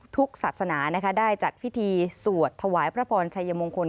ศาสนาได้จัดพิธีสวดถวายพระพรชัยมงคล